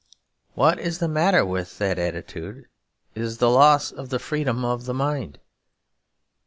What is the matter with that attitude is the loss of the freedom of the mind.